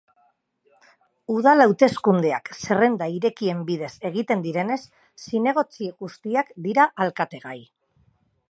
Udal hauteskundeak zerrenda irekien bidez egiten direnez, zinegotzi guztiak dira alkategai.